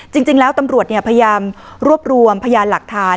จริงแล้วตำรวจพยายามรวบรวมพยานหลักฐาน